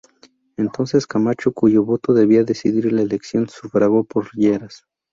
Entonces Camacho, cuyo voto debía decidir la elección, sufragó por Lleras.